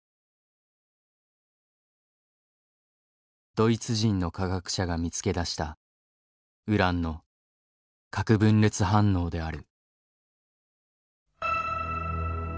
ドイツ人の科学者が見つけ出したウランの核分裂反応である。